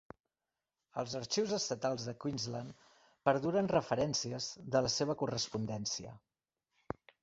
Als Arxius Estatals de Queensland perduren referències de la seva correspondència.